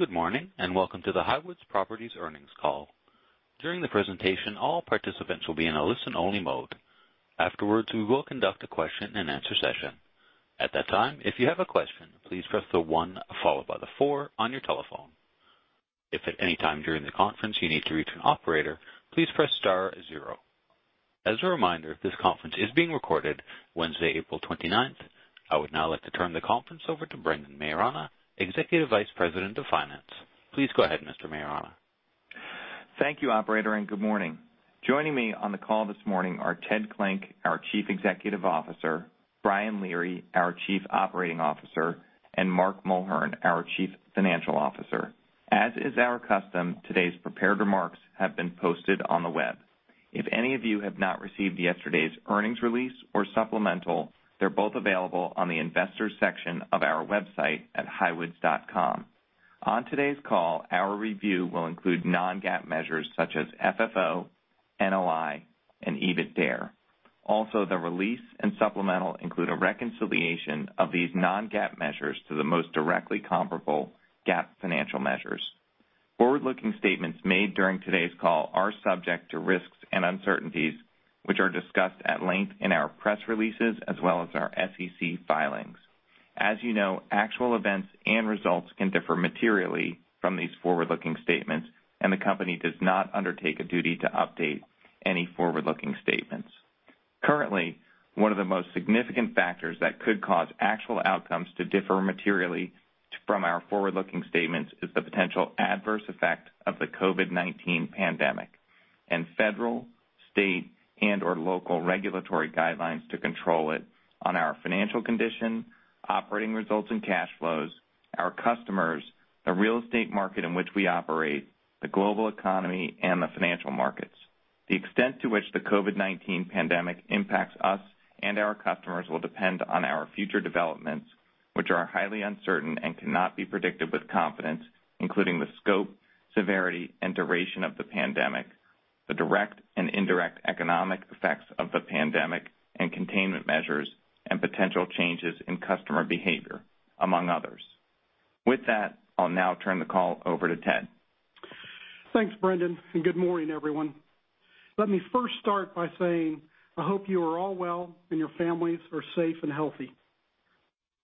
Good morning, and welcome to the Highwoods Properties earnings call. During the presentation, all participants will be in a listen-only mode. Afterwards, we will conduct a question-and-answer session. At that time, if you have a question, please press the one followed by the four on your telephone. If at any time during the conference you need to reach an operator, please press star zero. As a reminder, this conference is being recorded Wednesday, April 29th. I would now like to turn the conference over to Brendan Maiorana, Executive Vice President of Finance. Please go ahead, Mr. Maiorana. Thank you, operator, and good morning. Joining me on the call this morning are Ted Klinck, our Chief Executive Officer, Brian Leary, our Chief Operating Officer, and Mark Mulhern, our Chief Financial Officer. As is our custom, today's prepared remarks have been posted on the web. If any of you have not received yesterday's earnings release or supplemental, they're both available on the Investors section of our website at highwoods.com. On today's call, our review will include non-GAAP measures such as FFO, NOI, and EBITDAre. The release and supplemental include a reconciliation of these non-GAAP measures to the most directly comparable GAAP financial measures. Forward-looking statements made during today's call are subject to risks and uncertainties, which are discussed at length in our press releases, as well as our SEC filings. As you know, actual events and results can differ materially from these forward-looking statements, and the company does not undertake a duty to update any forward-looking statements. Currently, one of the most significant factors that could cause actual outcomes to differ materially from our forward-looking statements is the potential adverse effect of the COVID-19 pandemic and federal, state, and/or local regulatory guidelines to control it on our financial condition, operating results and cash flows, our customers, the real estate market in which we operate, the global economy, and the financial markets. The extent to which the COVID-19 pandemic impacts us and our customers will depend on our future developments, which are highly uncertain and cannot be predicted with confidence, including the scope, severity, and duration of the pandemic, the direct and indirect economic effects of the pandemic and containment measures, and potential changes in customer behavior, among others. With that, I'll now turn the call over to Ted. Thanks, Brendan. Good morning, everyone. Let me first start by saying I hope you are all well and your families are safe and healthy.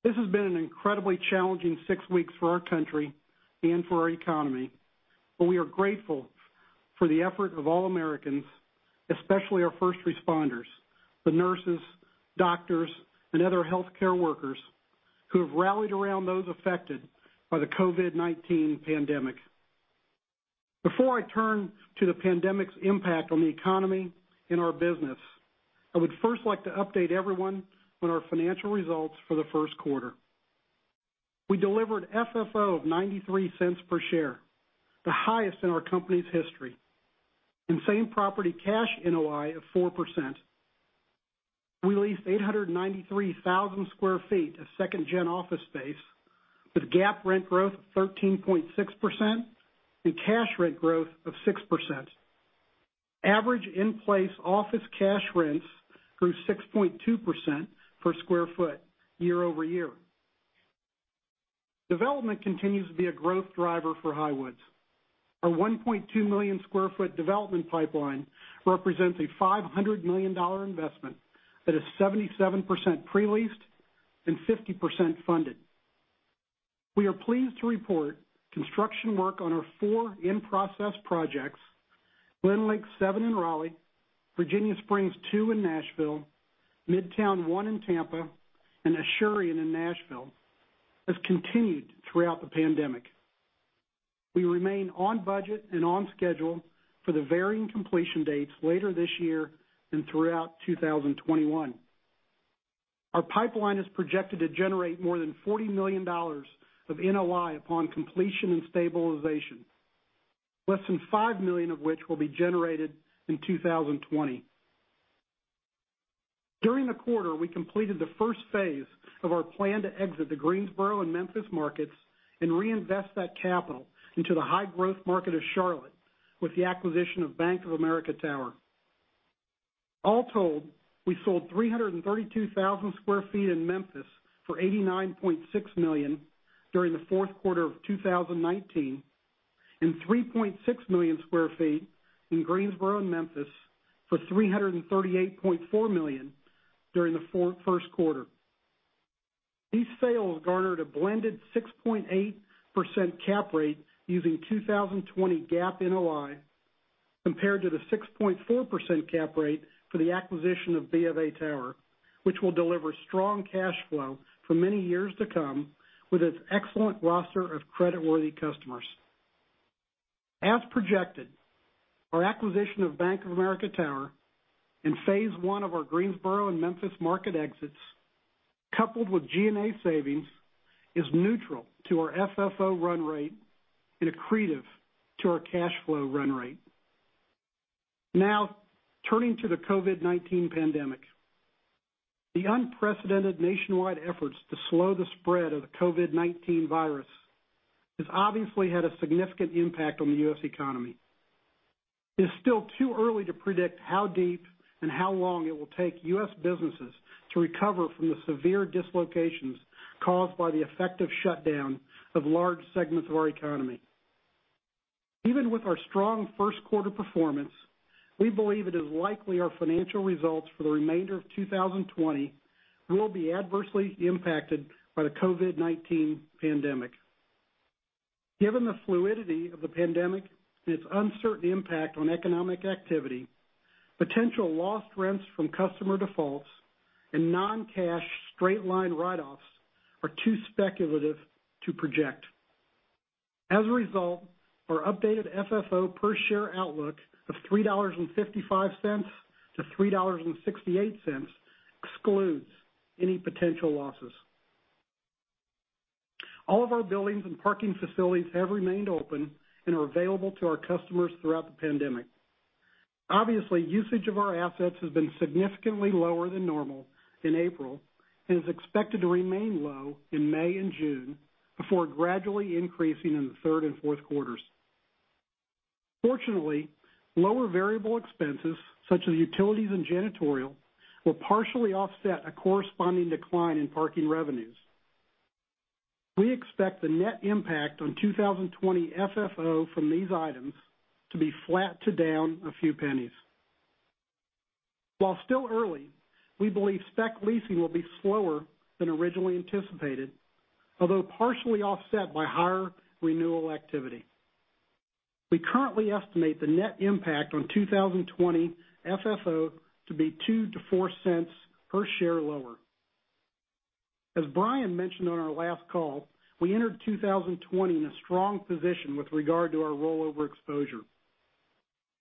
This has been an incredibly challenging six weeks for our country and for our economy. We are grateful for the effort of all Americans, especially our first responders, the nurses, doctors, and other healthcare workers who have rallied around those affected by the COVID-19 pandemic. Before I turn to the pandemic's impact on the economy and our business, I would first like to update everyone on our financial results for the first quarter. We delivered FFO of $0.93 per share, the highest in our company's history, and same-property cash NOI of 4%. We leased 893,000 sq ft of second-gen office space with GAAP rent growth of 13.6% and cash rent growth of 6%. Average in-place office cash rents grew 6.2% per sq ft year-over-year. Development continues to be a growth driver for Highwoods. Our 1.2 million sq ft development pipeline represents a $500 million investment that is 77% pre-leased and 50% funded. We are pleased to report construction work on our four in-process projects, Glenlake Seven in Raleigh, Virginia Springs Two in Nashville, Midtown One in Tampa, and Asurion in Nashville, has continued throughout the pandemic. We remain on budget and on schedule for the varying completion dates later this year and throughout 2021. Our pipeline is projected to generate more than $40 million of NOI upon completion and stabilization, less than $5 million of which will be generated in 2020. During the quarter, we completed the first phase of our plan to exit the Greensboro and Memphis markets and reinvest that capital into the high-growth market of Charlotte with the acquisition of Bank of America Tower. All told, we sold 332,000 sq ft in Memphis for $89.6 million during the fourth quarter of 2019 and 3.6 million square feet in Greensboro and Memphis for $338.4 million during the first quarter. These sales garnered a blended 6.8% cap rate using 2020 GAAP NOI compared to the 6.4% cap rate for the acquisition of B of A Tower, which will deliver strong cash flow for many years to come with its excellent roster of creditworthy customers. As projected, our acquisition of Bank of America Tower and phase I of our Greensboro and Memphis market exits, coupled with G&A savings, is neutral to our FFO run rate and accretive to our cash flow run rate. Turning to the COVID-19 pandemic. The unprecedented nationwide efforts to slow the spread of the COVID-19 virus has obviously had a significant impact on the U.S. economy. It is still too early to predict how deep and how long it will take U.S. businesses to recover from the severe dislocations caused by the effective shutdown of large segments of our economy. Even with our strong first quarter performance, we believe it is likely our financial results for the remainder of 2020 will be adversely impacted by the COVID-19 pandemic. Given the fluidity of the pandemic and its uncertain impact on economic activity, potential lost rents from customer defaults and non-cash straight-line write-offs are too speculative to project. As a result, our updated FFO per share outlook of $3.55-$3.68 excludes any potential losses. All of our buildings and parking facilities have remained open and are available to our customers throughout the pandemic. Obviously, usage of our assets has been significantly lower than normal in April and is expected to remain low in May and June before gradually increasing in the third and fourth quarters. Fortunately, lower variable expenses such as utilities and janitorial will partially offset a corresponding decline in parking revenues. We expect the net impact on 2020 FFO from these items to be flat to down a few pennies. While still early, we believe spec leasing will be slower than originally anticipated, although partially offset by higher renewal activity. We currently estimate the net impact on 2020 FFO to be $0.02-$0.04 per share lower. As Brian mentioned on our last call, we entered 2020 in a strong position with regard to our rollover exposure.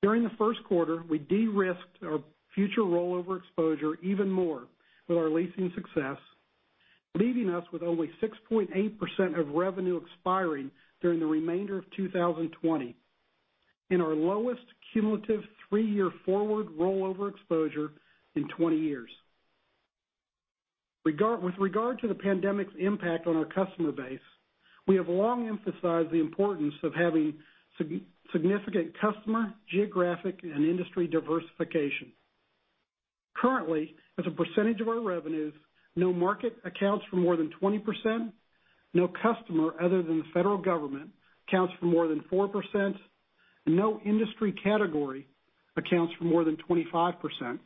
During the first quarter, we de-risked our future rollover exposure even more with our leasing success, leaving us with only 6.8% of revenue expiring during the remainder of 2020 in our lowest cumulative three-year forward rollover exposure in 20 years. With regard to the pandemic's impact on our customer base, we have long emphasized the importance of having significant customer, geographic, and industry diversification. Currently, as a percentage of our revenues, no market accounts for more than 20%, no customer other than the federal government accounts for more than 4%, and no industry category accounts for more than 25%.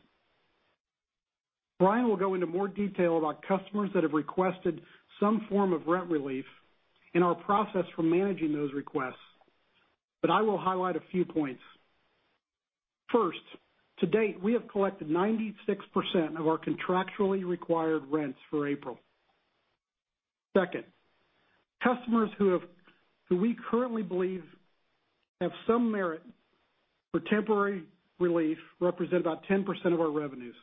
Brian will go into more detail about customers that have requested some form of rent relief and our process for managing those requests, I will highlight a few points. First, to date, we have collected 96% of our contractually required rents for April. Second, customers who we currently believe have some merit for temporary relief represent about 10% of our revenues.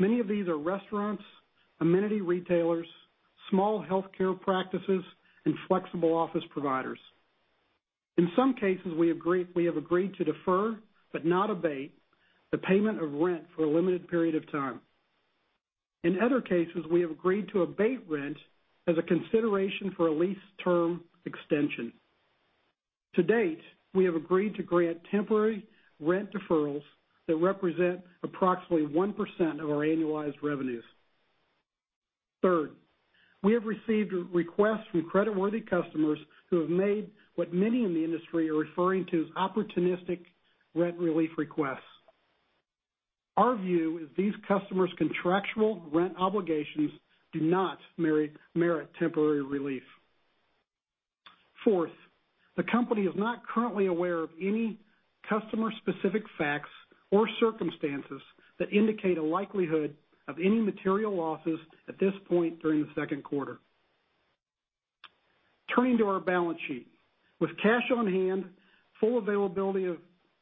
Many of these are restaurants, amenity retailers, small healthcare practices, and flexible office providers. In some cases, we have agreed to defer, but not abate, the payment of rent for a limited period of time. In other cases, we have agreed to abate rent as a consideration for a lease term extension. To date, we have agreed to grant temporary rent deferrals that represent approximately 1% of our annualized revenues. Third, we have received requests from creditworthy customers who have made what many in the industry are referring to as opportunistic rent relief requests. Our view is these customers' contractual rent obligations do not merit temporary relief. Fourth, the company is not currently aware of any customer-specific facts or circumstances that indicate a likelihood of any material losses at this point during the second quarter. Turning to our balance sheet. With cash on hand, full availability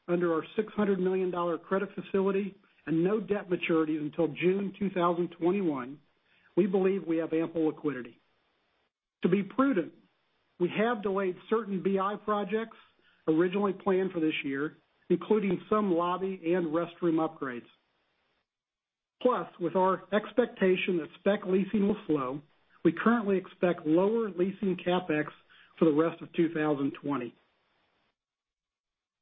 under our $600 million credit facility, and no debt maturity until June 2021, we believe we have ample liquidity. To be prudent, we have delayed certain BI projects originally planned for this year, including some lobby and restroom upgrades. Plus, with our expectation that spec leasing will slow, we currently expect lower leasing CapEx for the rest of 2020.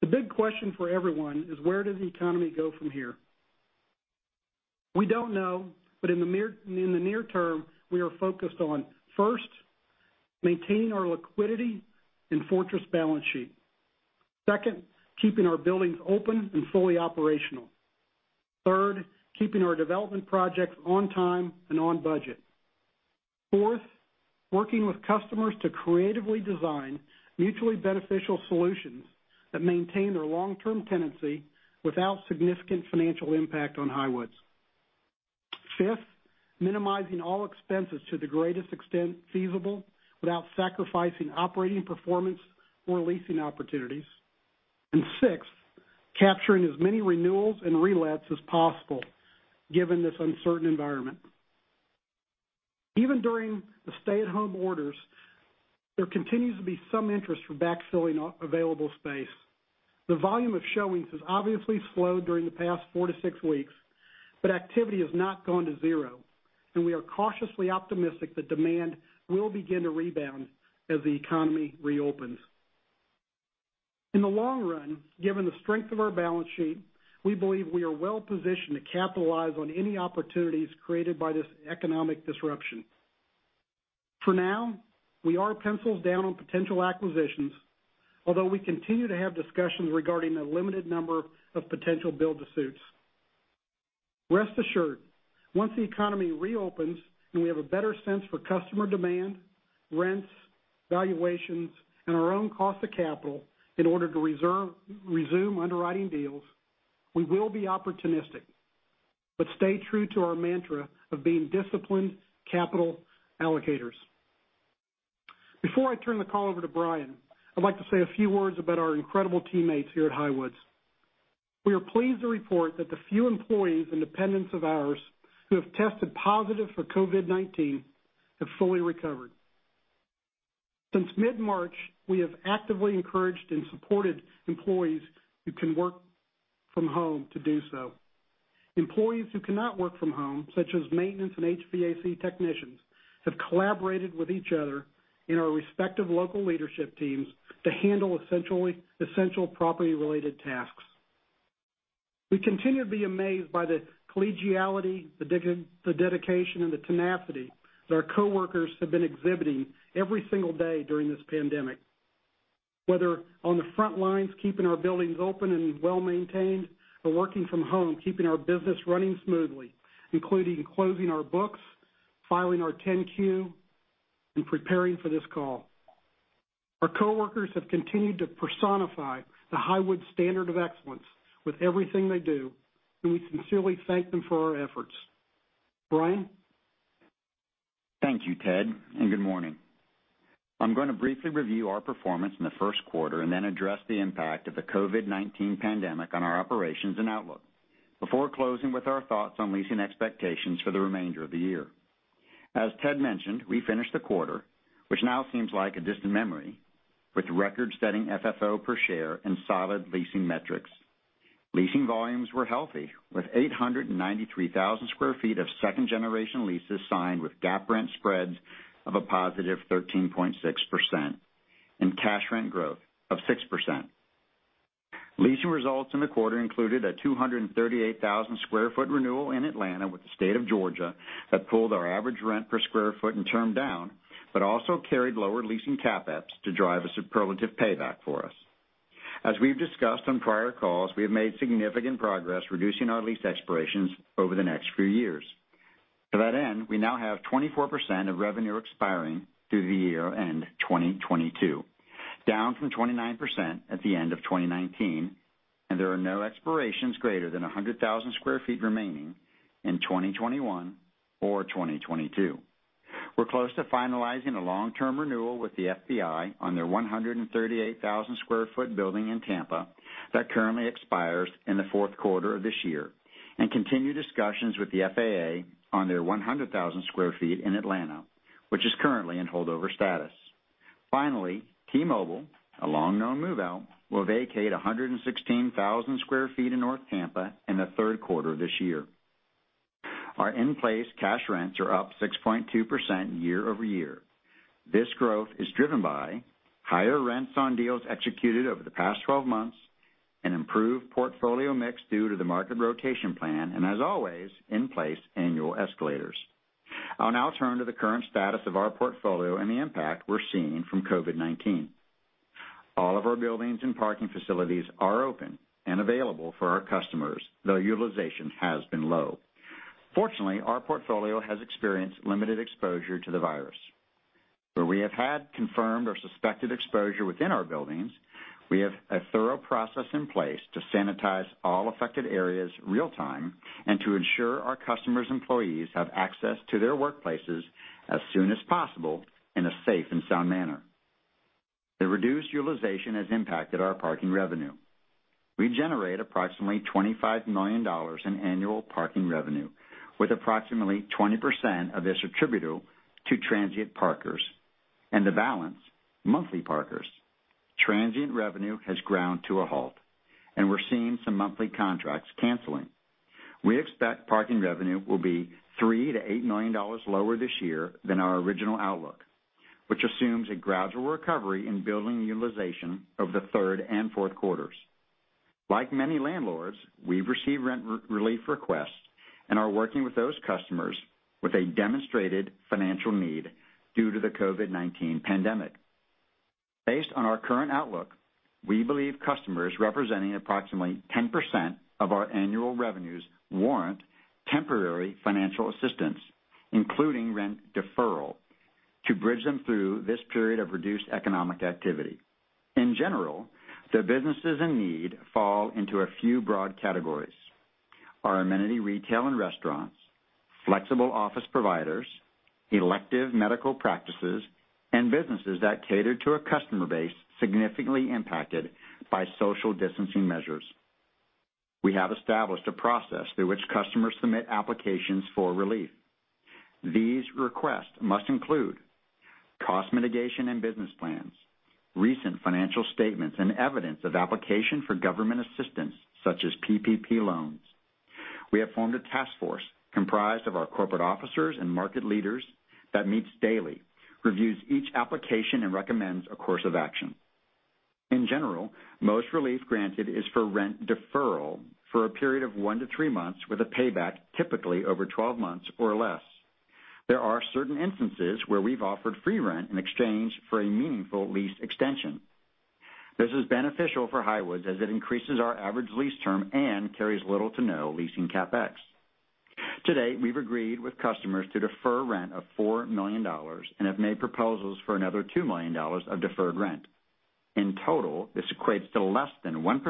The big question for everyone is where does the economy go from here? We don't know, but in the near term, we are focused on, first, maintaining our liquidity and fortress balance sheet. Second, keeping our buildings open and fully operational. Third, keeping our development projects on time and on budget. Fourth, working with customers to creatively design mutually beneficial solutions that maintain their long-term tenancy without significant financial impact on Highwoods. Fifth, minimizing all expenses to the greatest extent feasible without sacrificing operating performance or leasing opportunities. Sixth, capturing as many renewals and relets as possible given this uncertain environment. Even during the stay-at-home orders, there continues to be some interest for backfilling available space. The volume of showings has obviously slowed during the past four to six weeks. Activity has not gone to zero, and we are cautiously optimistic that demand will begin to rebound as the economy reopens. In the long run, given the strength of our balance sheet, we believe we are well positioned to capitalize on any opportunities created by this economic disruption. For now, we are pencils down on potential acquisitions, although we continue to have discussions regarding a limited number of potential build to suits. Rest assured, once the economy reopens and we have a better sense for customer demand, rents, valuations, and our own cost of capital in order to resume underwriting deals, we will be opportunistic, but stay true to our mantra of being disciplined capital allocators. Before I turn the call over to Brian, I'd like to say a few words about our incredible teammates here at Highwoods. We are pleased to report that the few employees and dependents of ours who have tested positive for COVID-19 have fully recovered. Since mid-March, we have actively encouraged and supported employees who can work from home to do so. Employees who cannot work from home, such as maintenance and HVAC technicians, have collaborated with each other in our respective local leadership teams to handle essential property related tasks. We continue to be amazed by the collegiality, the dedication, and the tenacity that our coworkers have been exhibiting every single day during this pandemic. Whether on the front lines, keeping our buildings open and well-maintained, or working from home, keeping our business running smoothly, including closing our books, filing our Form 10-Q and preparing for this call. Our coworkers have continued to personify the Highwoods standard of excellence with everything they do, and we sincerely thank them for their efforts. Brian? Thank you, Ted, and good morning. I'm going to briefly review our performance in the first quarter and then address the impact of the COVID-19 pandemic on our operations and outlook before closing with our thoughts on leasing expectations for the remainder of the year. As Ted mentioned, we finished the quarter, which now seems like a distant memory, with record-setting FFO per share and solid leasing metrics. Leasing volumes were healthy, with 893,000 sq ft of second-generation leases signed, with GAAP rent spreads of a positive 13.6% and cash rent growth of 6%. Leasing results in the quarter included a 238,000 sq ft renewal in Atlanta with the State of Georgia that pulled our average rent per square foot and term down, but also carried lower leasing CapEx to drive a superlative payback for us. As we've discussed on prior calls, we have made significant progress reducing our lease expirations over the next few years. To that end, we now have 24% of revenue expiring through the year-end 2022, down from 29% at the end of 2019, and there are no expirations greater than 100,000 sq ft remaining in 2021 or 2022. We're close to finalizing a long-term renewal with the FBI on their 138,000 sq ft building in Tampa that currently expires in the fourth quarter of this year and continue discussions with the FAA on their 100,000 sq ft in Atlanta, which is currently in holdover status. Finally, T-Mobile, a long-known move-out, will vacate 116,000 sq ft in North Tampa in the third quarter of this year. Our in-place cash rents are up 6.2% year-over-year. This growth is driven by higher rents on deals executed over the past 12 months and improved portfolio mix due to the market rotation plan, and as always, in place annual escalators. I'll now turn to the current status of our portfolio and the impact we're seeing from COVID-19. All of our buildings and parking facilities are open and available for our customers, though utilization has been low. Fortunately, our portfolio has experienced limited exposure to the virus. Where we have had confirmed or suspected exposure within our buildings, we have a thorough process in place to sanitize all affected areas real time and to ensure our customers' employees have access to their workplaces as soon as possible in a safe and sound manner. The reduced utilization has impacted our parking revenue. We generate approximately $25 million in annual parking revenue, with approximately 20% of this attributable to transient parkers and the balance monthly parkers. Transient revenue has ground to a halt, and we're seeing some monthly contracts canceling. We expect parking revenue will be $3 million-$8 million lower this year than our original outlook, which assumes a gradual recovery in building utilization over the third and fourth quarters. Like many landlords, we've received rent relief requests and are working with those customers with a demonstrated financial need due to the COVID-19 pandemic. Based on our current outlook, we believe customers representing approximately 10% of our annual revenues warrant temporary financial assistance, including rent deferral, to bridge them through this period of reduced economic activity. In general, the businesses in need fall into a few broad categories. Our amenity retail and restaurants, flexible office providers, elective medical practices, and businesses that cater to a customer base significantly impacted by social distancing measures. We have established a process through which customers submit applications for relief. These requests must include cost mitigation and business plans, recent financial statements, and evidence of application for government assistance such as PPP loans. We have formed a task force comprised of our corporate officers and market leaders that meets daily, reviews each application, and recommends a course of action. In general, most relief granted is for rent deferral for a period of one to three months with a payback typically over 12 months or less. There are certain instances where we've offered free rent in exchange for a meaningful lease extension. This is beneficial for Highwoods as it increases our average lease term and carries little to no leasing CapEx. To date, we've agreed with customers to defer rent of $4 million and have made proposals for another $2 million of deferred rent. In total, this equates to less than 1%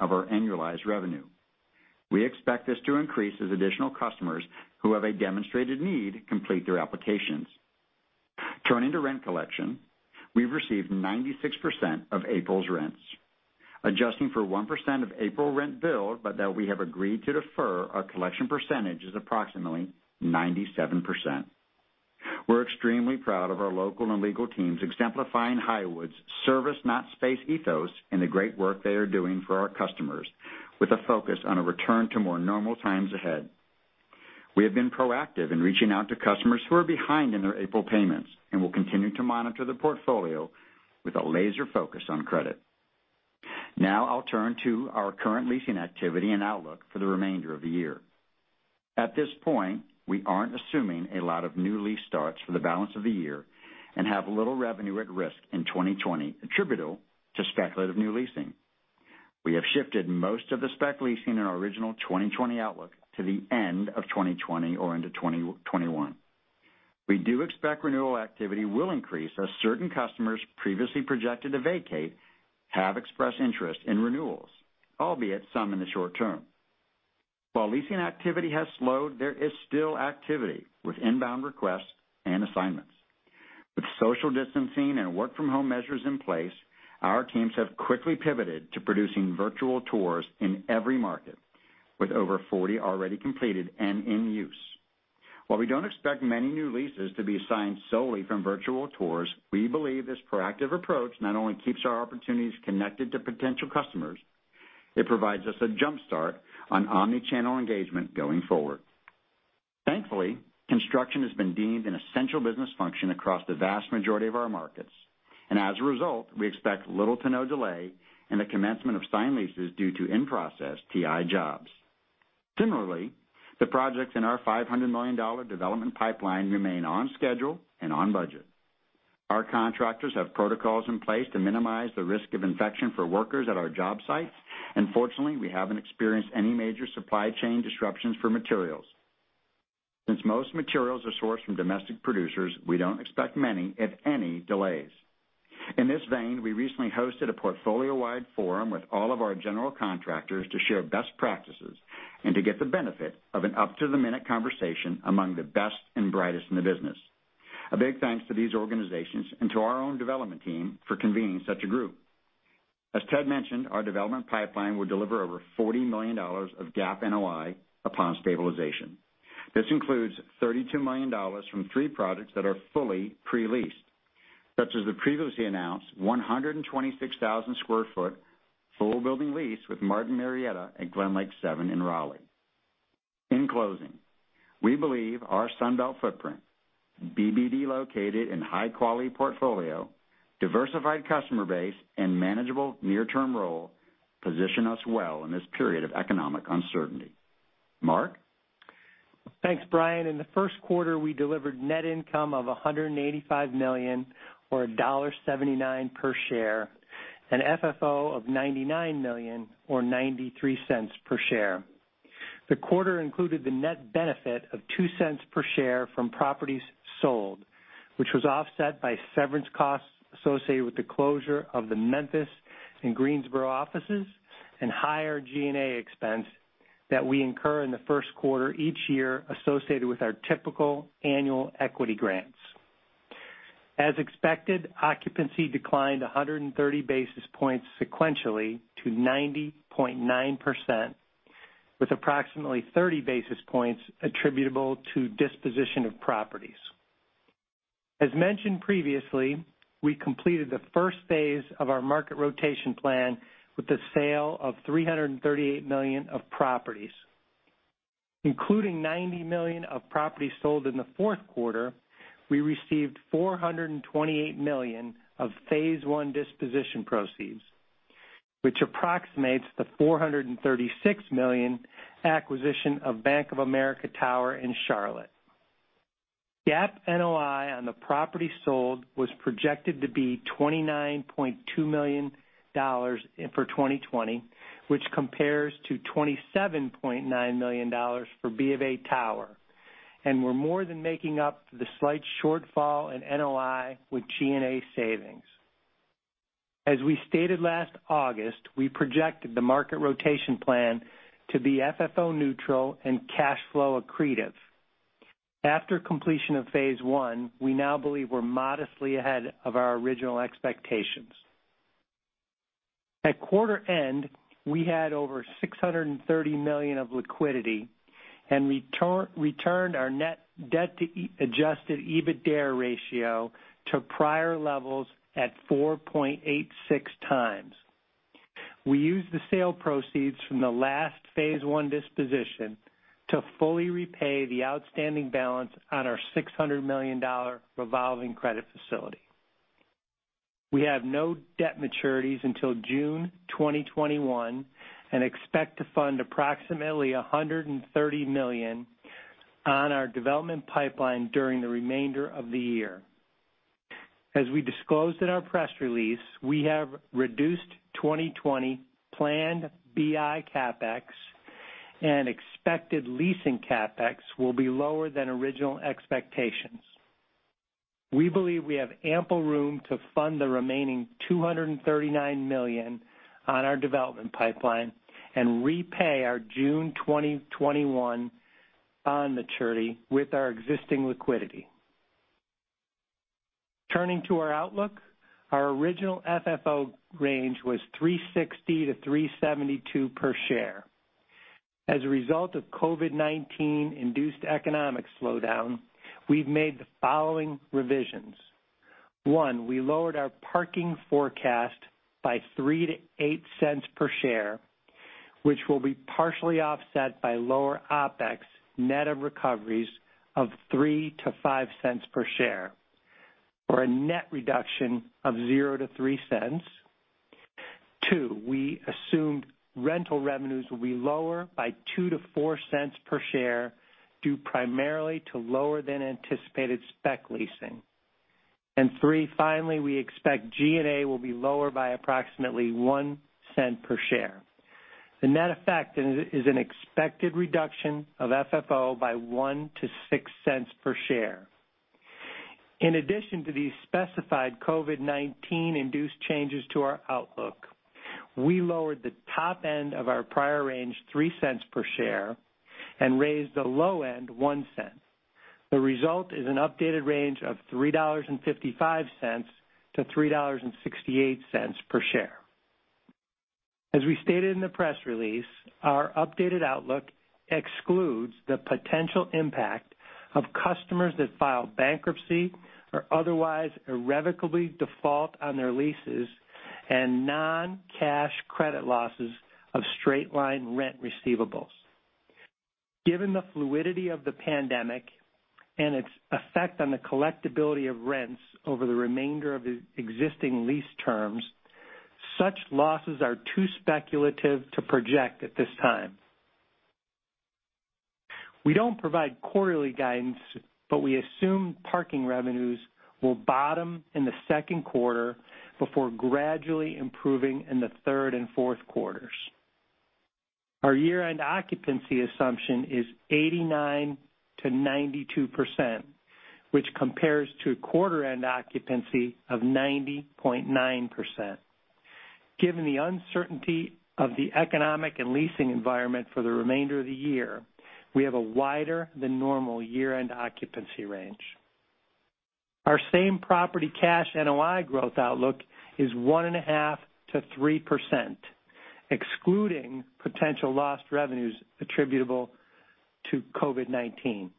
of our annualized revenue. We expect this to increase as additional customers who have a demonstrated need complete their applications. Turning to rent collection, we've received 96% of April's rents. Adjusting for 1% of April rent billed but that we have agreed to defer, our collection percentage is approximately 97%. We're extremely proud of our local and legal teams exemplifying Highwoods' service not space ethos and the great work they are doing for our customers with a focus on a return to more normal times ahead. We have been proactive in reaching out to customers who are behind in their April payments and will continue to monitor the portfolio with a laser focus on credit. Now I'll turn to our current leasing activity and outlook for the remainder of the year. At this point, we aren't assuming a lot of new lease starts for the balance of the year and have little revenue at risk in 2020 attributable to speculative new leasing. We have shifted most of the spec leasing in our original 2020 outlook to the end of 2020 or into 2021. We do expect renewal activity will increase as certain customers previously projected to vacate have expressed interest in renewals, albeit some in the short term. While leasing activity has slowed, there is still activity with inbound requests and assignments. With social distancing and work-from-home measures in place, our teams have quickly pivoted to producing virtual tours in every market, with over 40 already completed and in use. While we don't expect many new leases to be signed solely from virtual tours, we believe this proactive approach not only keeps our opportunities connected to potential customers, it provides us a jump start on omni-channel engagement going forward. Thankfully, construction has been deemed an essential business function across the vast majority of our markets. As a result, we expect little to no delay in the commencement of signed leases due to in-process TI jobs. Similarly, the projects in our $500 million development pipeline remain on schedule and on budget. Our contractors have protocols in place to minimize the risk of infection for workers at our job sites. Fortunately, we haven't experienced any major supply chain disruptions for materials. Since most materials are sourced from domestic producers, we don't expect many, if any, delays. In this vein, we recently hosted a portfolio-wide forum with all of our general contractors to share best practices and to get the benefit of an up-to-the-minute conversation among the best and brightest in the business. A big thanks to these organizations and to our own development team for convening such a group. As Ted mentioned, our development pipeline will deliver over $40 million of GAAP NOI upon stabilization. This includes $32 million from three projects that are fully pre-leased, such as the previously announced 126,000 sq ft full-building lease with Martin Marietta at Glenlake Seven in Raleigh. In closing, we believe our Sun Belt footprint, BBD-located and high-quality portfolio, diversified customer base, and manageable near-term role position us well in this period of economic uncertainty. Mark? Thanks, Brian. In the first quarter, we delivered net income of $185 million or $1.79 per share, an FFO of $99 million or $0.93 per share. The quarter included the net benefit of $0.02 per share from properties sold, which was offset by severance costs associated with the closure of the Memphis and Greensboro offices and higher G&A expense that we incur in the first quarter each year associated with our typical annual equity grants. As expected, occupancy declined 130 basis points sequentially to 90.9%, with approximately 30 basis points attributable to disposition of properties. As mentioned previously, we completed the first phase of our market rotation plan with the sale of $338 million of properties. Including $90 million of properties sold in the fourth quarter, we received $428 million of phase I disposition proceeds, which approximates the $436 million acquisition of Bank of America Tower in Charlotte. GAAP NOI on the property sold was projected to be $29.2 million for 2020, which compares to $27.9 million for B of A Tower. We're more than making up the slight shortfall in NOI with G&A savings. As we stated last August, we projected the market rotation plan to be FFO neutral and cash flow accretive. After completion of phase one, we now believe we're modestly ahead of our original expectations. At quarter end, we had over $630 million of liquidity and returned our net debt to adjusted EBITDA ratio to prior levels at 4.86x. We used the sale proceeds from the last phase one disposition to fully repay the outstanding balance on our $600 million revolving credit facility. We have no debt maturities until June 2021 and expect to fund approximately $130 million on our development pipeline during the remainder of the year. As we disclosed in our press release, we have reduced 2020 planned BI CapEx and expected leasing CapEx will be lower than original expectations. We believe we have ample room to fund the remaining $239 million on our development pipeline and repay our June 2021 bond maturity with our existing liquidity. Turning to our outlook, our original FFO range was $3.60 to $3.72 per share. As a result of COVID-19 induced economic slowdown, we've made the following revisions. One, we lowered our parking forecast by $0.03 to $0.08 per share, which will be partially offset by lower OpEx net of recoveries of $0.03 to $0.05 per share, or a net reduction of $0.00 to $0.03. Two, we assumed rental revenues will be lower by $0.02 to $0.04 per share, due primarily to lower than anticipated spec leasing. Three, finally, we expect G&A will be lower by approximately $0.01 per share. The net effect is an expected reduction of FFO by $0.01-$0.06 per share. In addition to these specified COVID-19 induced changes to our outlook, we lowered the top end of our prior range $0.03 per share and raised the low end $0.01. The result is an updated range of $3.55-$3.68 per share. As we stated in the press release, our updated outlook excludes the potential impact of customers that file bankruptcy or otherwise irrevocably default on their leases and non-cash credit losses of straight-line rent receivables. Given the fluidity of the pandemic and its effect on the collectibility of rents over the remainder of the existing lease terms, such losses are too speculative to project at this time. We don't provide quarterly guidance, we assume parking revenues will bottom in the second quarter before gradually improving in the third and fourth quarters. Our year-end occupancy assumption is 89%-92%, which compares to a quarter-end occupancy of 90.9%. Given the uncertainty of the economic and leasing environment for the remainder of the year, we have a wider than normal year-end occupancy range. Our same property cash NOI growth outlook is 1.5%-3%, excluding potential lost revenues attributable to COVID-19.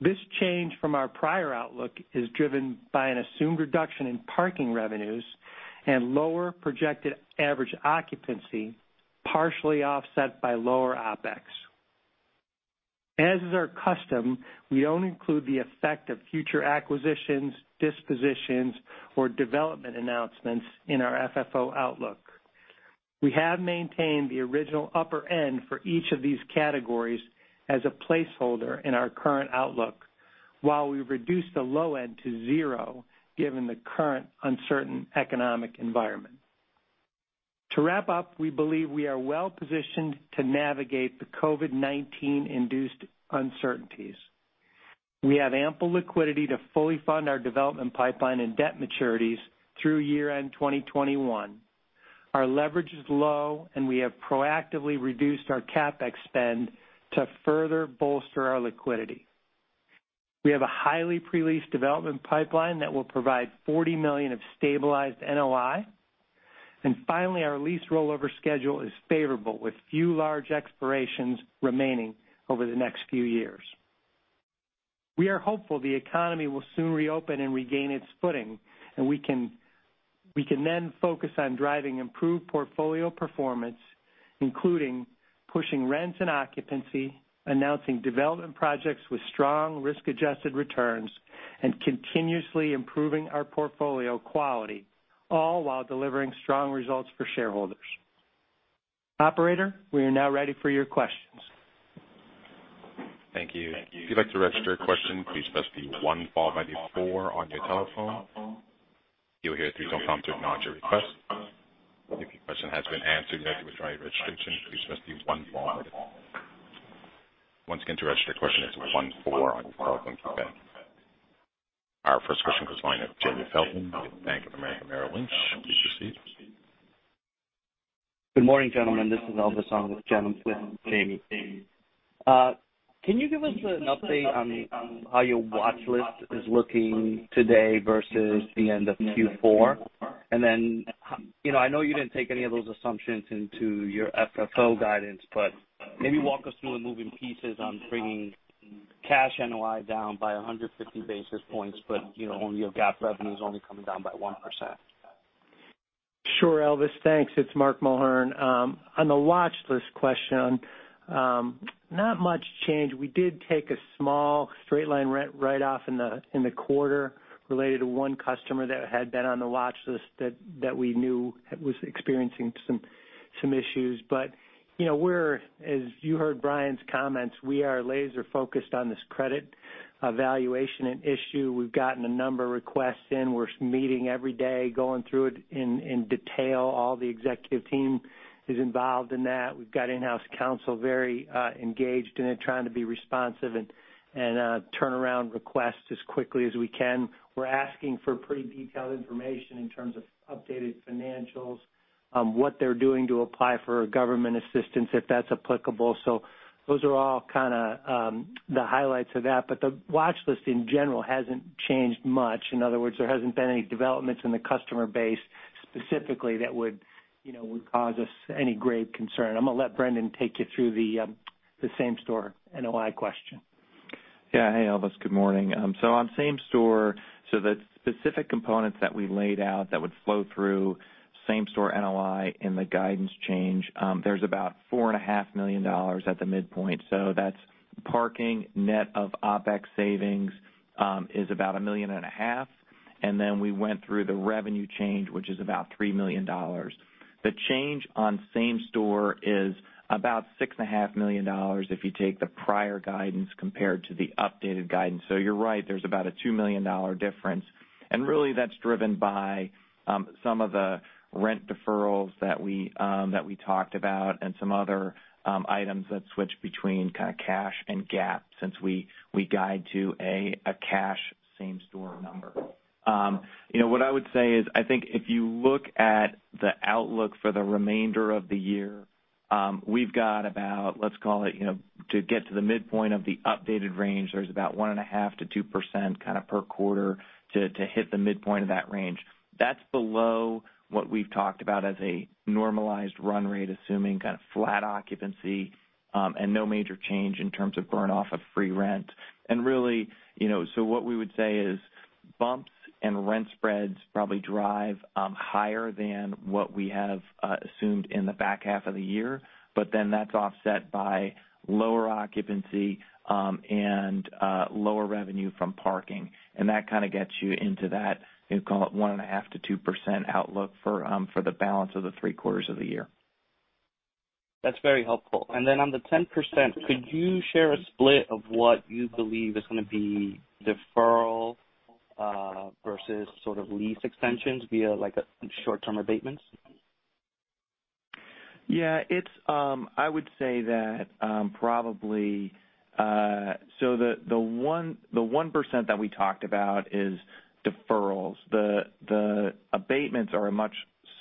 This change from our prior outlook is driven by an assumed reduction in parking revenues and lower projected average occupancy, partially offset by lower OpEx. As is our custom, we don't include the effect of future acquisitions, dispositions, or development announcements in our FFO outlook. We have maintained the original upper end for each of these categories as a placeholder in our current outlook while we've reduced the low end to zero, given the current uncertain economic environment. To wrap up, we believe we are well positioned to navigate the COVID-19 induced uncertainties. We have ample liquidity to fully fund our development pipeline and debt maturities through year end 2021. Our leverage is low, and we have proactively reduced our CapEx spend to further bolster our liquidity. We have a highly pre-leased development pipeline that will provide $40 million of stabilized NOI. Finally, our lease rollover schedule is favorable with few large expirations remaining over the next few years. We are hopeful the economy will soon reopen and regain its footing, and we can then focus on driving improved portfolio performance, including pushing rents and occupancy, announcing development projects with strong risk-adjusted returns, and continuously improving our portfolio quality, all while delivering strong results for shareholders. Operator, we are now ready for your questions. Thank you. If you'd like to register a question, please press the one followed by the four on your telephone. You'll hear a three-tone prompt to acknowledge your request. If your question has been answered after you've tried registration, please press the one followed by the four. Once again, to register a question, it's one, four on your telephone keypad. Our first question comes from the line of Jamie Feldman with Bank of America Merrill Lynch. Please proceed. Good morning, gentlemen. This is Elvis on for Jamie. Can you give us an update on how your watchlist is looking today versus the end of Q4? I know you didn't take any of those assumptions into your FFO guidance, but maybe walk us through the moving pieces on bringing cash NOI down by 150 basis points, but when your GAAP revenue is only coming down by 1%. Sure, Elvis. Thanks. It's Mark Mulhern. On the watchlist question, not much change. We did take a small straight line write-off in the quarter related to one customer that had been on the watchlist that we knew was experiencing some issues. As you heard Brian's comments, we are laser-focused on this credit evaluation and issue. We've gotten a number of requests in. We're meeting every day, going through it in detail. All the executive team is involved in that. We've got in-house counsel very engaged in it, trying to be responsive and turnaround requests as quickly as we can. We're asking for pretty detailed information in terms of updated financials, what they're doing to apply for government assistance, if that's applicable. Those are all kind of the highlights of that. The watchlist in general hasn't changed much. In other words, there hasn't been any developments in the customer base specifically that would cause us any grave concern. I'm going to let Brendan take you through the same-store NOI question. Yeah. Hey, Elvis. Good morning. On same store, the specific components that we laid out that would flow through same-store NOI in the guidance change, there's about $4.5 million at the midpoint. That's parking net of OpEx savings is about $1.5 million. We went through the revenue change, which is about $3 million. The change on same store is about $6.5 million if you take the prior guidance compared to the updated guidance. You're right, there's about a $2 million difference. Really, that's driven by some of the rent deferrals that we talked about and some other items that switch between kind of cash and GAAP, since we guide to a cash same-store number. What I would say is, I think if you look at the outlook for the remainder of the year, we've got about, let's call it, to get to the midpoint of the updated range, there's about 1.5% to 2% kind of per quarter to hit the midpoint of that range. That's below what we've talked about as a normalized run rate, assuming kind of flat occupancy, and no major change in terms of burn-off of free rent. What we would say is bumps and rent spreads probably drive higher than what we have assumed in the back half of the year. That's offset by lower occupancy and lower revenue from parking. That kind of gets you into that, call it, 1.5% to 2% outlook for the balance of the three quarters of the year. That's very helpful. Then on the 10%, could you share a split of what you believe is going to be deferral versus sort of lease extensions via short-term abatements? I would say that probably the 1% that we talked about is deferrals.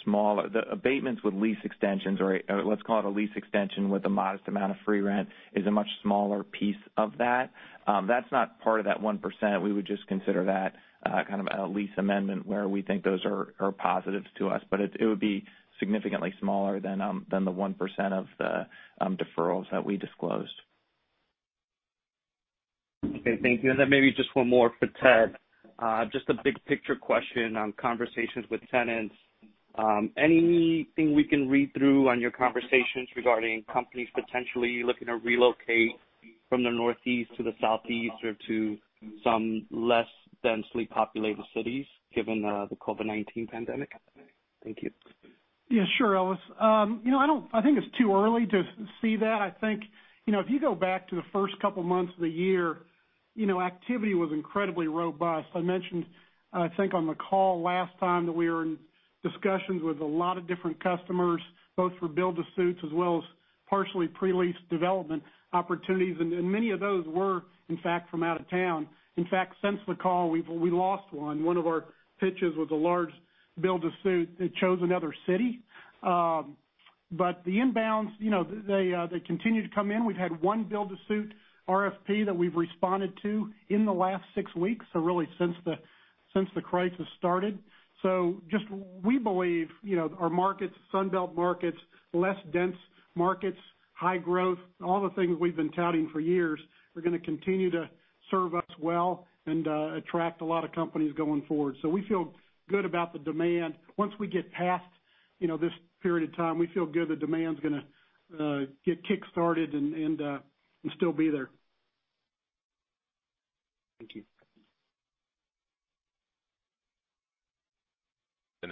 The abatements with lease extensions, or let's call it a lease extension with a modest amount of free rent, is a much smaller piece of that. That's not part of that 1%. We would just consider that kind of a lease amendment where we think those are positives to us. It would be significantly smaller than the 1% of the deferrals that we disclosed. Okay. Thank you. Maybe just one more for Ted. Just a big picture question on conversations with tenants. Anything we can read through on your conversations regarding companies potentially looking to relocate from the Northeast to the Southeast or to some less densely populated cities given the COVID-19 pandemic? Thank you. Yeah, sure, Elvis. I think it's too early to see that. I think, if you go back to the first couple of months of the year, activity was incredibly robust. I mentioned, I think, on the call last time that we were in discussions with a lot of different customers, both for build to suits as well as partially pre-leased development opportunities, and many of those were, in fact, from out of town. In fact, since the call, we lost one. One of our pitches was a large build to suit that chose another city. The inbounds, they continue to come in. We've had one build to suit RFP that we've responded to in the last six weeks, so really since the crisis started. Just we believe our markets, Sun Belt markets, less dense markets, high growth, all the things we've been touting for years are going to continue to serve us well and attract a lot of companies going forward. We feel good about the demand. Once we get past this period of time, we feel good that demand's going to get kickstarted and still be there. Thank you.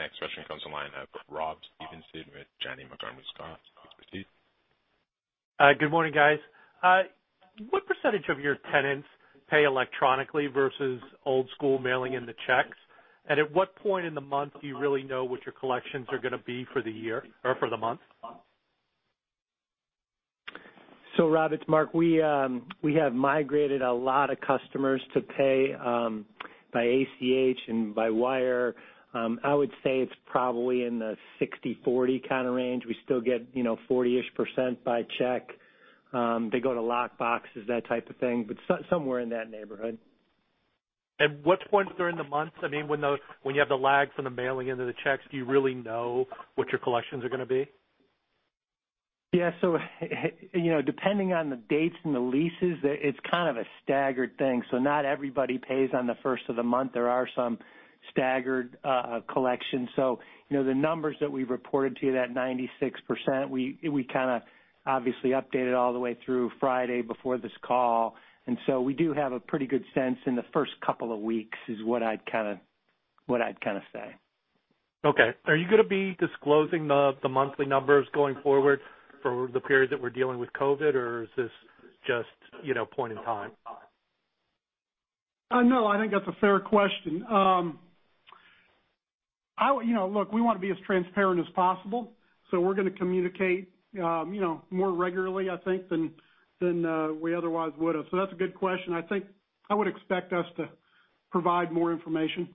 The next question comes on the line of Rob Stevenson with Janney Montgomery Scott. Please proceed. Good morning, guys. What percentage of your tenants pay electronically versus old school mailing in the checks? At what point in the month do you really know what your collections are going to be for the month? Rob, it's Mark. We have migrated a lot of customers to pay by ACH and by wire. I would say it's probably in the 60/40 kind of range. We still get 40-ish% by check. They go to lock boxes, that type of thing, but somewhere in that neighborhood. What point during the month, when you have the lag from the mailing into the checks, do you really know what your collections are going to be? Yeah. Depending on the dates and the leases, it's kind of a staggered thing. Not everybody pays on the first of the month. There are some staggered collections. The numbers that we reported to you, that 96%, we kind of obviously updated all the way through Friday before this call. We do have a pretty good sense in the first couple of weeks, is what I'd kind of say. Okay. Are you going to be disclosing the monthly numbers going forward for the period that we're dealing with COVID, or is this just point in time? No, I think that's a fair question. Look, we want to be as transparent as possible. We're going to communicate more regularly, I think, than we otherwise would have. That's a good question. I think I would expect us to provide more information.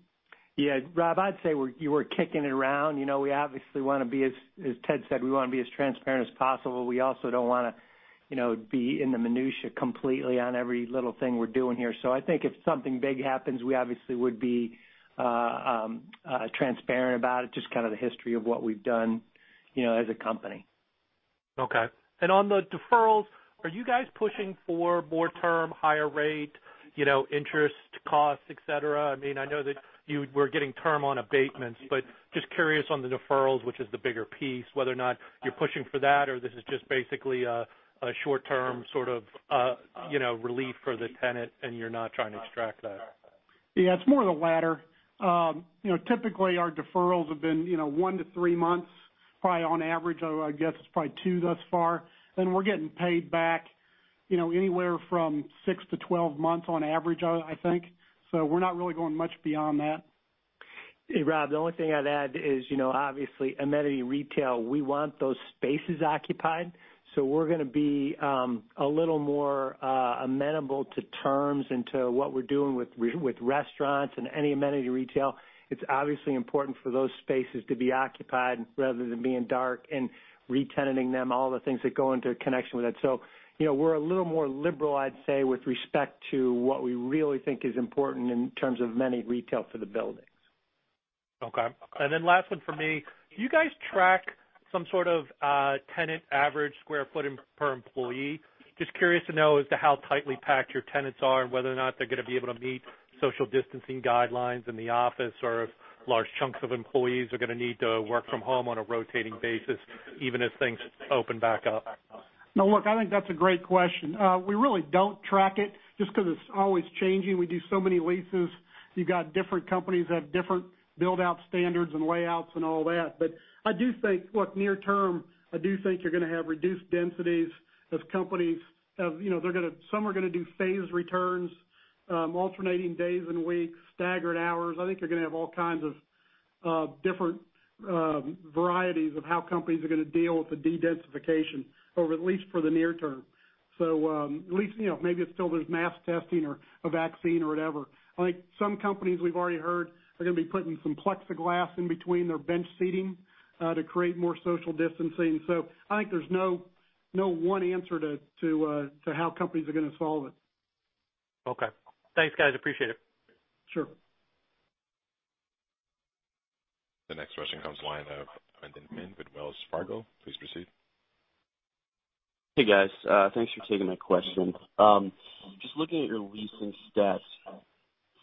Yeah. Rob, I'd say we're kicking it around. As Ted said, we want to be as transparent as possible. We also don't want to be in the minutia completely on every little thing we're doing here. I think if something big happens, we obviously would be transparent about it, just kind of the history of what we've done as a company. Okay. On the deferrals, are you guys pushing for more term, higher rate, interest costs, et cetera? I know that you were getting term on abatements, but just curious on the deferrals, which is the bigger piece, whether or not you're pushing for that, or this is just basically a short-term sort of relief for the tenant, and you're not trying to extract that. Yeah, it's more the latter. Typically, our deferrals have been one to three months, probably on average. I guess it's probably two thus far. We're getting paid back anywhere from six to 12 months on average, I think. We're not really going much beyond that. Hey, Rob, the only thing I'd add is, obviously, amenity retail, we want those spaces occupied. We're going to be a little more amenable to terms and to what we're doing with restaurants and any amenity retail. It's obviously important for those spaces to be occupied rather than being dark and re-tenanting them, all the things that go into connection with it. We're a little more liberal, I'd say, with respect to what we really think is important in terms of amenity retail for the buildings. Okay. Last one from me. Do you guys track some sort of tenant average square foot per employee? Just curious to know as to how tightly packed your tenants are and whether or not they're going to be able to meet social distancing guidelines in the office, or if large chunks of employees are going to need to work from home on a rotating basis, even as things open back up. No, look, I think that's a great question. We really don't track it just because it's always changing. We do so many leases. You've got different companies that have different build-out standards and layouts and all that. I do think, look, near term, I do think you're going to have reduced densities as companies. Some are going to do phased returns, alternating days and weeks, staggered hours. I think you're going to have all kinds of different varieties of how companies are going to deal with the de-densification, or at least for the near term. At least, maybe until there's mass testing or a vaccine or whatever. I think some companies we've already heard are going to be putting some plexiglass in between their bench seating to create more social distancing. I think there's no one answer to how companies are going to solve it. Okay. Thanks, guys. Appreciate it. Sure. The next question comes line of Brendan Finn with Wells Fargo. Please proceed. Hey, guys. Thanks for taking my question. Just looking at your leasing stats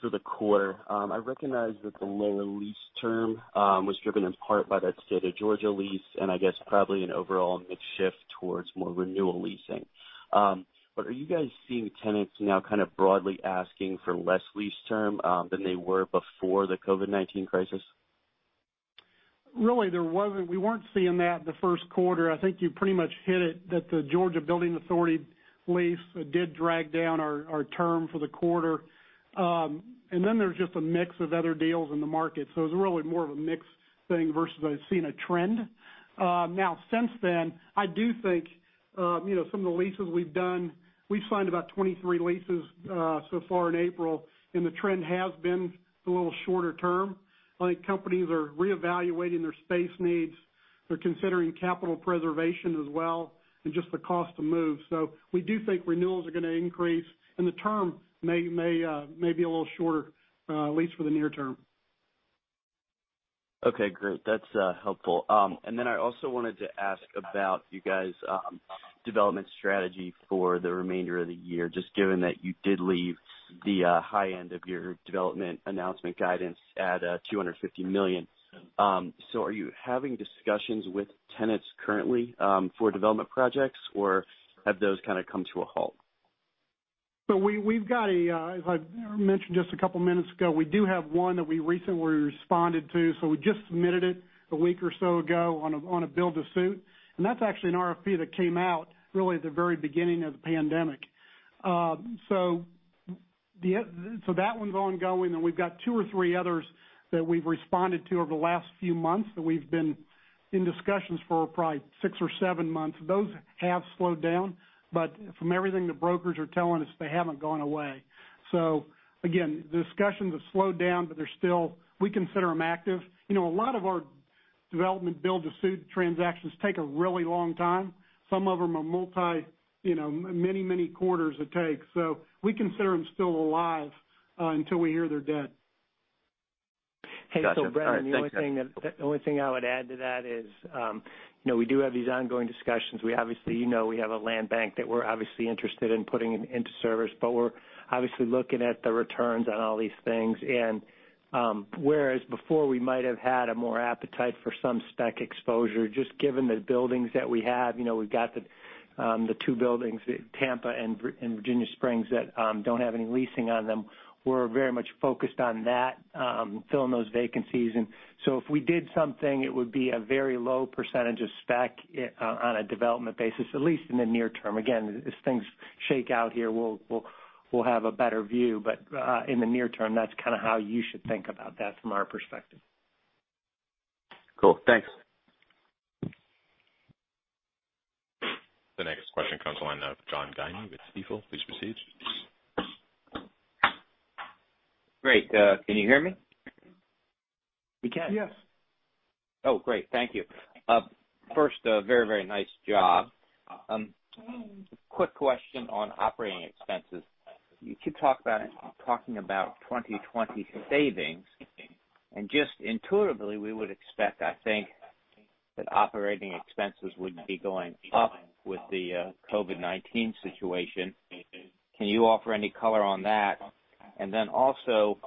for the quarter. I recognize that the lower lease term was driven in part by that State of Georgia lease and I guess probably an overall mix shift towards more renewal leasing. Are you guys seeing tenants now kind of broadly asking for less lease term than they were before the COVID-19 crisis? Really, we weren't seeing that in the first quarter. I think you pretty much hit it, that the Georgia Building Authority lease did drag down our term for the quarter. Then there's just a mix of other deals in the market. It's really more of a mix thing versus I've seen a trend. Since then, I do think some of the leases we've done, we've signed about 23 leases so far in April, and the trend has been a little shorter term. I think companies are reevaluating their space needs. They're considering capital preservation as well, and just the cost to move. We do think renewals are going to increase, and the term may be a little shorter, at least for the near term. Okay, great. That's helpful. I also wanted to ask about you guys' development strategy for the remainder of the year, just given that you did leave the high end of your development announcement guidance at $250 million. Are you having discussions with tenants currently for development projects, or have those kind of come to a halt? We've got a, as I mentioned just a couple of minutes ago, we do have one that we recently responded to. We just submitted it a week or so ago on a build to suit. That's actually an RFP that came out really at the very beginning of the pandemic. That one's ongoing, and we've got two or three others that we've responded to over the last few months, that we've been in discussions for probably six or seven months. Those have slowed down, but from everything the brokers are telling us, they haven't gone away. Again, the discussions have slowed down, but we consider them active. A lot of our development build-to-suit transactions take a really long time. Some of them are many quarters it takes. We consider them still alive until we hear they're dead. Got you. All right. Thanks, guys. Hey, so Brendan, the only thing I would add to that is we do have these ongoing discussions. We obviously have a land bank that we're obviously interested in putting into service, but we're obviously looking at the returns on all these things. And whereas before we might have had a more appetite for some spec exposure, just given the buildings that we have, we've got the two buildings at Tampa and Virginia Springs that don't have any leasing on them. We're very much focused on that, filling those vacancies. So if we did something, it would be a very low percentage of spec on a development basis, at least in the near term. Again, as things shake out here, we'll have a better view, but in the near term, that's kind of how you should think about that from our perspective. Cool. Thanks. The next question comes on the line of John Guinee with Stifel. Please proceed. Great. Can you hear me? We can. Yes. Oh, great. Thank you. First, a very nice job. Quick question on operating expenses. You keep talking about 2020 savings, and just intuitively, we would expect, I think, that operating expenses would be going up with the COVID-19 situation. Can you offer any color on that? Also,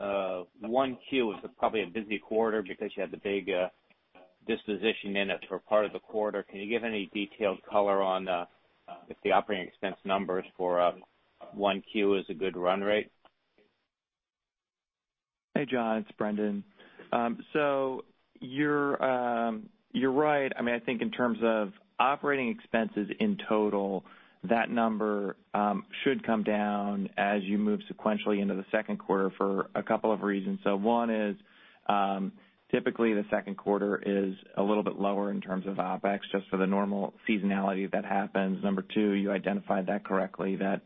1Q was probably a busy quarter because you had the big disposition in it for part of the quarter. Can you give any detailed color on if the operating expense numbers for 1Q is a good run rate? Hey, John, it's Brendan. You're right. I think in terms of operating expenses in total, that number should come down as you move sequentially into the second quarter for a couple of reasons. One is typically the second quarter is a little bit lower in terms of OpEx just for the normal seasonality that happens. Number two, you identified that correctly, that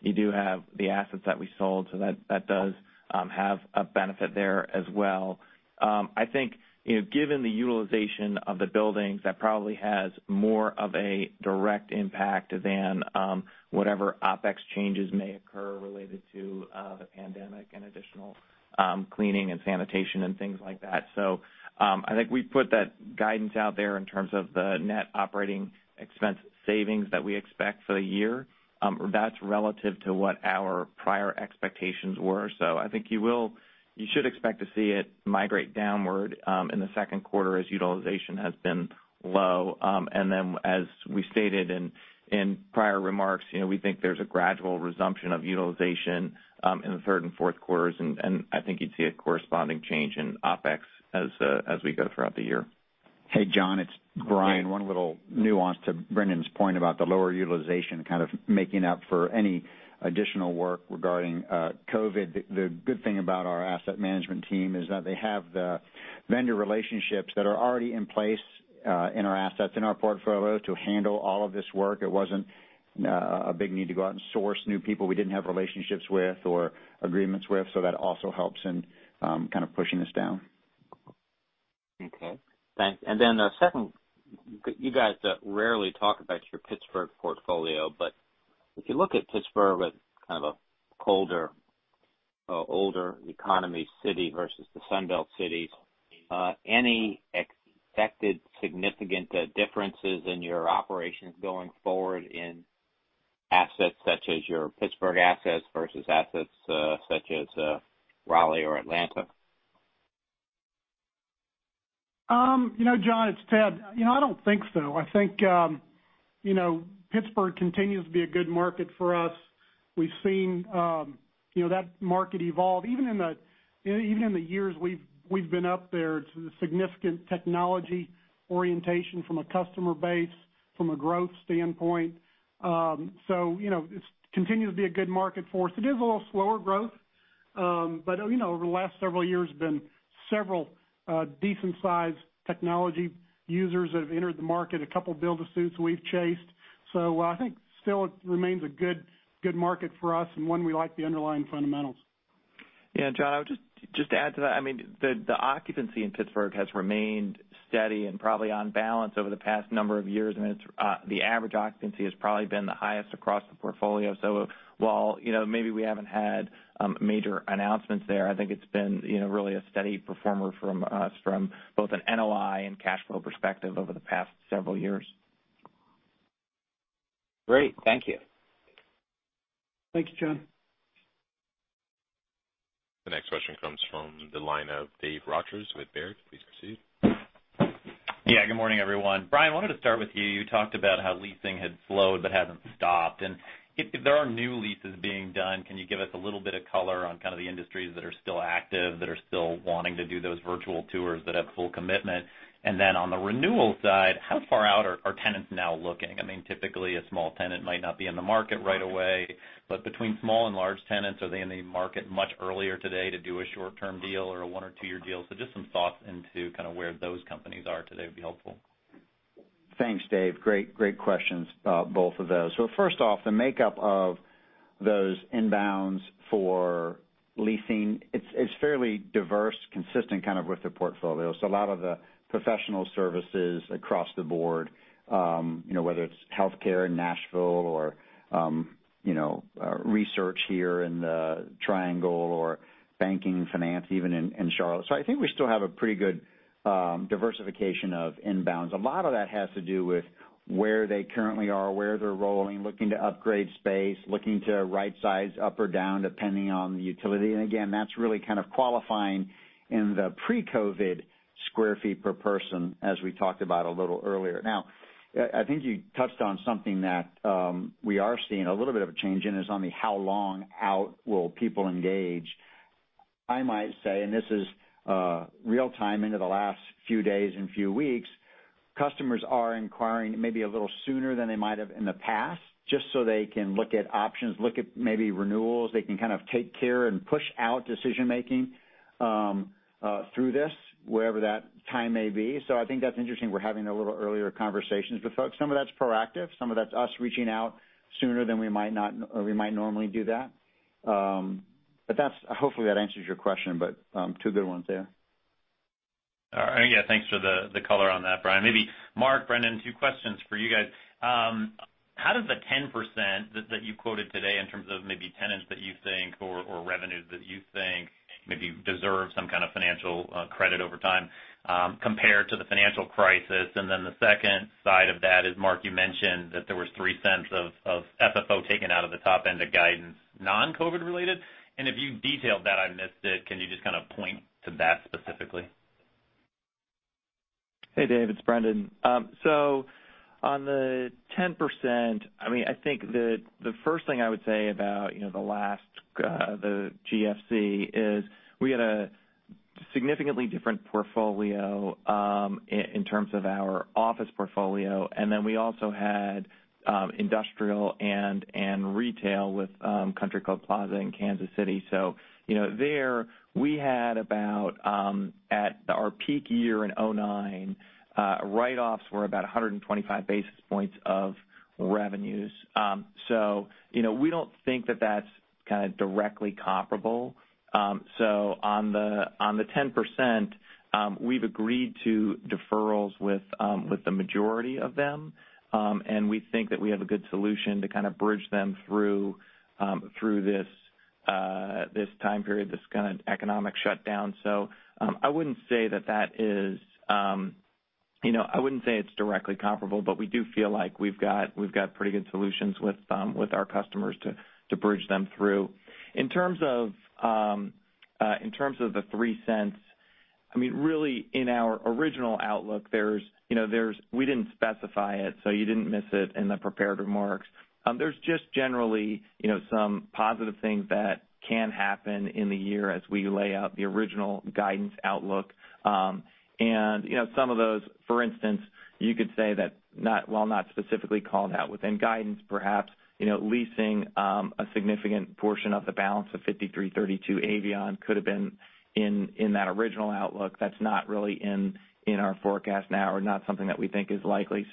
you do have the assets that we sold, that does have a benefit there as well. I think, given the utilization of the buildings, that probably has more of a direct impact than whatever OpEx changes may occur related to the pandemic and additional cleaning and sanitation and things like that. I think we put that guidance out there in terms of the net operating expense savings that we expect for the year. That's relative to what our prior expectations were. I think you should expect to see it migrate downward in the second quarter as utilization has been low. As we stated in prior remarks, we think there's a gradual resumption of utilization in the third and fourth quarters, and I think you'd see a corresponding change in OpEx as we go throughout the year. Hey, John, it's Brian. One little nuance to Brendan's point about the lower utilization kind of making up for any additional work regarding COVID-19. The good thing about our asset management team is that they have the vendor relationships that are already in place in our assets, in our portfolio to handle all of this work. It wasn't a big need to go out and source new people we didn't have relationships with or agreements with. That also helps in kind of pushing this down. Okay. Thanks. Then the second, you guys rarely talk about your Pittsburgh portfolio, but if you look at Pittsburgh as kind of a colder, older economy city versus the Sun Belt cities, any expected significant differences in your operations going forward in assets such as your Pittsburgh assets versus assets such as Raleigh or Atlanta? John, it's Ted. I don't think so. I think Pittsburgh continues to be a good market for us. We've seen that market evolve even in the years we've been up there to the significant technology orientation from a customer base, from a growth standpoint. It's continued to be a good market for us. It is a little slower growth. Over the last several years there's been several decent-sized technology users that have entered the market, a couple build-to-suits we've chased. I think still it remains a good market for us and one we like the underlying fundamentals. Yeah, John, just to add to that, the occupancy in Pittsburgh has remained steady and probably on balance over the past number of years, and the average occupancy has probably been the highest across the portfolio. While maybe we haven't had major announcements there, I think it's been really a steady performer for us from both an NOI and cash flow perspective over the past several years. Great. Thank you. Thank you, John. The next question comes from the line of Dave Rodgers with Baird. Please proceed. Yeah. Good morning, everyone. Brian, I wanted to start with you. You talked about how leasing had slowed but hasn't stopped. If there are new leases being done, can you give us a little bit of color on kind of the industries that are still active, that are still wanting to do those virtual tours, that have full commitment? On the renewal side, how far out are tenants now looking? Typically, a small tenant might not be in the market right away, but between small and large tenants, are they in the market much earlier today to do a short-term deal or a one or two-year deal? Just some thoughts into kind of where those companies are today would be helpful. Thanks, Dave. Great questions, both of those. First off, the makeup of those inbounds for leasing, it's fairly diverse, consistent kind of with the portfolio. A lot of the professional services across the board, whether it's healthcare in Nashville or research here in the Triangle or banking and finance even in Charlotte. I think we still have a pretty good diversification of inbounds. A lot of that has to do with where they currently are, where they're rolling, looking to upgrade space, looking to right size up or down, depending on the utility. Again, that's really kind of qualifying in the pre-COVID square feet per person, as we talked about a little earlier. Now, I think you touched on something that we are seeing a little bit of a change in is on the how long out will people engage. I might say, this is real-time into the last few days and few weeks, customers are inquiring maybe a little sooner than they might have in the past, just so they can look at options, look at maybe renewals. They can kind of take care and push out decision-making through this, wherever that time may be. I think that's interesting. We're having a little earlier conversations with folks. Some of that's proactive. Some of that's us reaching out sooner than we might normally do that. Hopefully that answers your question, but two good ones there. All right. Yeah, thanks for the color on that, Brian. Maybe Mark, Brendan, two questions for you guys. How does the 10% that you quoted today in terms of maybe tenants that you think, or revenues that you think maybe deserve some kind of financial credit over time compare to the financial crisis? The second side of that is, Mark, you mentioned that there was $0.03 of FFO taken out of the top end of guidance, non-COVID related. If you detailed that, I missed it. Can you just kind of point to that specifically? Hey, Dave, it's Brendan. On the 10%, I think the first thing I would say about the GFC is we had a significantly different portfolio in terms of our office portfolio. We also had industrial and retail with Country Club Plaza in Kansas City. There, we had about, at our peak year in 2009, write-offs were about 125 basis points of revenues. We don't think that's kind of directly comparable. On the 10%, we've agreed to deferrals with the majority of them. We think that we have a good solution to kind of bridge them through this time period, this kind of economic shutdown. I wouldn't say it's directly comparable, but we do feel like we've got pretty good solutions with our customers to bridge them through. In terms of the $0.03, really in our original outlook, we didn't specify it, so you didn't miss it in the prepared remarks. There's just generally some positive things that can happen in the year as we lay out the original guidance outlook. Some of those, for instance, you could say that while not specifically called out within guidance, perhaps, leasing a significant portion of the balance of 5332 Avion could have been in that original outlook. That's not really in our forecast now or not something that we think is likely.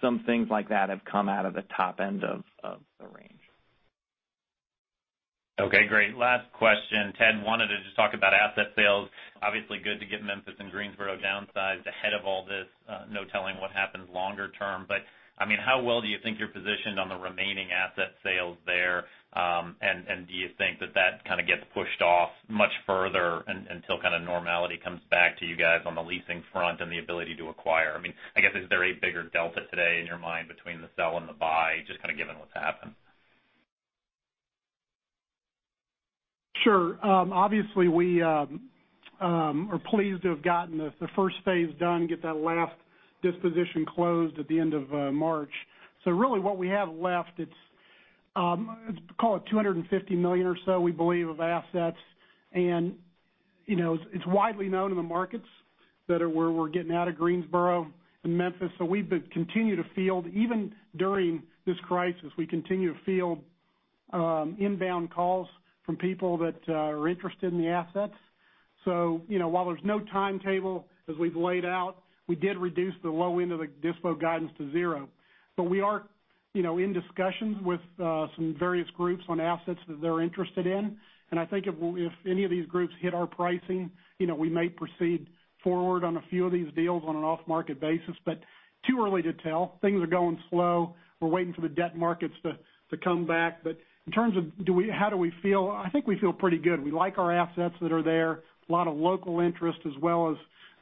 Some things like that have come out of the top end of the range. Okay, great. Last question. Ted, wanted to just talk about asset sales. Obviously good to get Memphis and Greensboro downsized ahead of all this. No telling what happens longer term. How well do you think you're positioned on the remaining asset sales there? Do you think that that kind of gets pushed off much further until kind of normality comes back to you guys on the leasing front and the ability to acquire? I guess, is there a bigger delta today in your mind between the sell and the buy, just kind of given what's happened? Sure. Obviously, we are pleased to have gotten the first phase done, get that last disposition closed at the end of March. Really what we have left, it's call it $250 million or so we believe of assets. It's widely known in the markets that we're getting out of Greensboro and Memphis. We've been continuing to field, even during this crisis, we continue to field inbound calls from people that are interested in the assets. I think if any of these groups hit our pricing, we may proceed forward on a few of these deals on an off-market basis. Too early to tell. Things are going slow. We're waiting for the debt markets to come back. In terms of how do we feel, I think we feel pretty good. We like our assets that are there. A lot of local interest as well as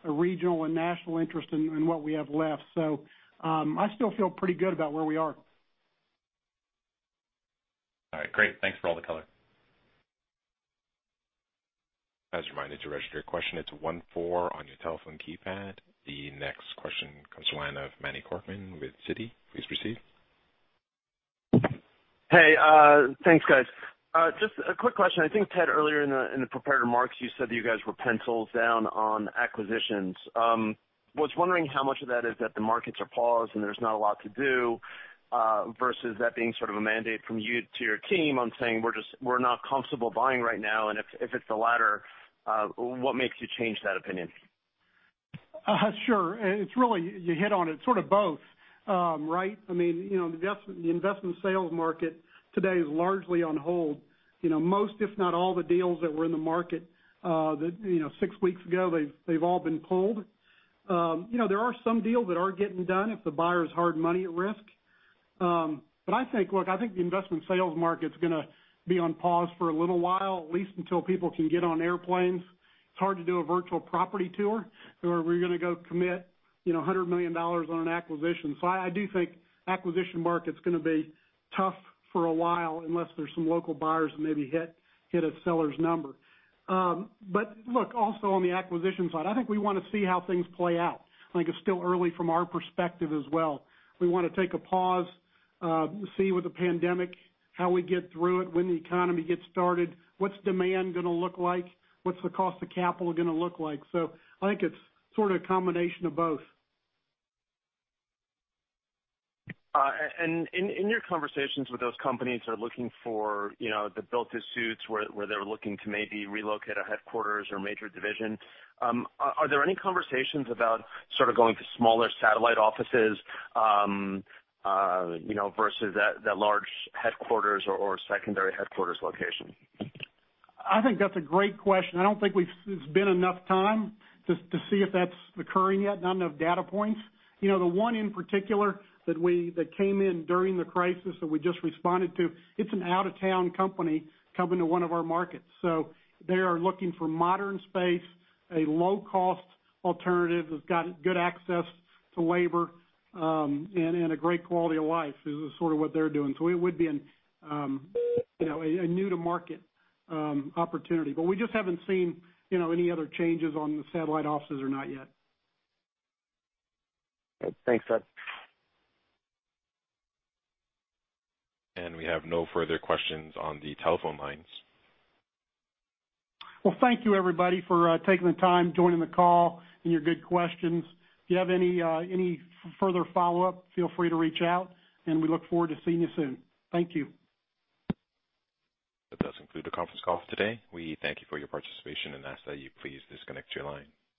a regional and national interest in what we have left. I still feel pretty good about where we are. All right. Great. Thanks for all the color. As a reminder, to register your question, it's one four on your telephone keypad. The next question comes to the line of Manny Korchman with Citi. Please proceed. Hey, thanks, guys. Just a quick question. I think, Ted, earlier in the prepared remarks, you said that you guys were penciled down on acquisitions. Was wondering how much of that is that the markets are paused and there's not a lot to do, versus that being sort of a mandate from you to your team on saying, "We're not comfortable buying right now." If it's the latter, what makes you change that opinion? Sure. You hit on it. It's sort of both, right? The investment sales market today is largely on hold. Most, if not all, the deals that were in the market six weeks ago, they've all been pulled. There are some deals that are getting done if the buyer has hard money at risk. I think the investment sales market's going to be on pause for a little while, at least until people can get on airplanes. It's hard to do a virtual property tour where we're going to go commit $100 million on an acquisition. I do think acquisition market's going to be tough for a while, unless there's some local buyers that maybe hit a seller's number. Look, also on the acquisition side, I think we want to see how things play out. I think it's still early from our perspective as well. We want to take a pause, see with the pandemic, how we get through it, when the economy gets started, what's demand going to look like, what's the cost of capital going to look like. I think it's sort of a combination of both. In your conversations with those companies that are looking for the built-to-suits, where they're looking to maybe relocate a headquarters or major division, are there any conversations about sort of going to smaller satellite offices versus the large headquarters or secondary headquarters location? I think that's a great question. I don't think it's been enough time to see if that's occurring yet. Not enough data points. The one in particular that came in during the crisis that we just responded to, it's an out-of-town company coming to one of our markets. They are looking for modern space, a low-cost alternative that's got good access to labor, and a great quality of life is sort of what they're doing. It would be a new-to-market opportunity. We just haven't seen any other changes on the satellite offices or not yet. Thanks, Ted. We have no further questions on the telephone lines. Well, thank you everybody for taking the time, joining the call, and your good questions. If you have any further follow-up, feel free to reach out, and we look forward to seeing you soon. Thank you. That does conclude the conference call for today. We thank you for your participation and ask that you please disconnect your line.